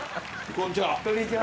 こんにちは。